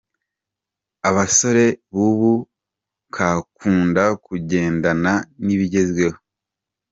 Abasore bubu kakunda kugendana n’ibigezweho.